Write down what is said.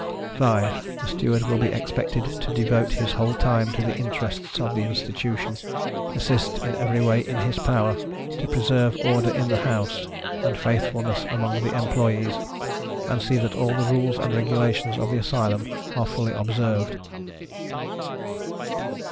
5. The Steward will be expected to devote his whole time to the interests of the Institution, assist, in every way in his power, to preserve order in the house, and faithfulness among the employees, and see that all the rules and regulations of the Asylum are fully observed.